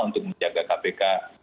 untuk menjaga kpk